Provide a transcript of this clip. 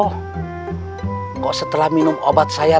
kok setelah minum obat saya